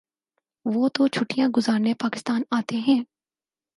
وہ تو چھٹیاں گزارنے پاکستان آتے ہیں۔